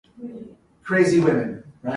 About a quarter of them died during captivity.